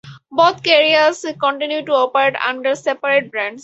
Both carriers continue to operate under separate brands.